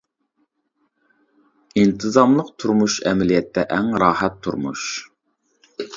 ئىنتىزاملىق تۇرمۇش ئەمەلىيەتتە ئەڭ راھەت تۇرمۇش.